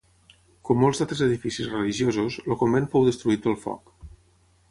Com molts d'altres edificis religiosos, el convent fou destruït pel foc.